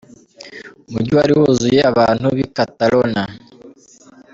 Umujyi wari wuzuye abantu b'i Catalonia .